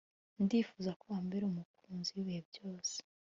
ndifuza ko wambera umukunzi wibihe byose